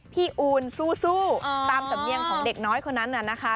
อูนสู้ตามสำเนียงของเด็กน้อยคนนั้นน่ะนะคะ